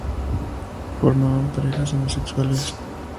Formaban parejas homosexuales.